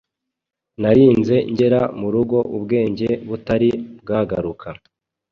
narinze ngera murugo ubwenge butari bwagaruka